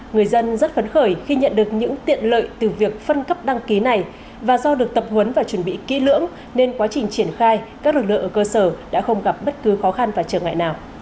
người dân rất phấn khởi khi nhận được những tiện lợi từ việc phân cấp đăng ký này và do được tập huấn và chuẩn bị kỹ lưỡng nên quá trình triển khai các lực lượng ở cơ sở đã không gặp bất cứ khó khăn và trở ngại nào